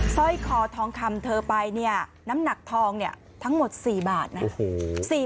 สร้อยคอทองคำเธอไปเนี่ยน้ำหนักทองเนี่ยทั้งหมด๔บาทนะ